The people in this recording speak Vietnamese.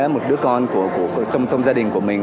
một đứa con trong gia đình của mình